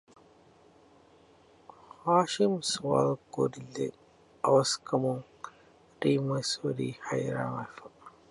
ހާޝިމް ސްވާލުކުރިލެއް އަވަސް ކަމުން ރީމްވެސް ހުރީ ހައިރާންވެފަ